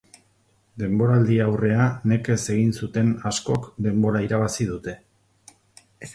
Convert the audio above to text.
Denboraldi-aurrea nekez egin zuten askok denbora irabazi dute.